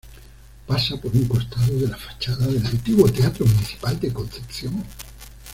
Pasa por un costado de la fachada del Antiguo Teatro Municipal de Concepción.